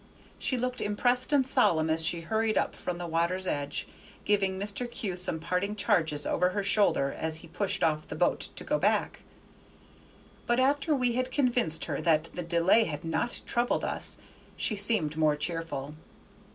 She looked impressed and solemn as she hurried up from the water's edge, giving Mr. Kew some parting charges over her shoulder as he pushed off the boat to go back; but after we had convinced her that the delay had not troubled us, she seemed more cheerful.